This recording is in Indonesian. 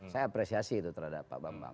saya apresiasi itu terhadap pak bambang